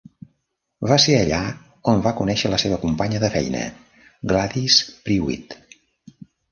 Va ser allà on va conèixer la seva companya de feina, Gladys Prewett.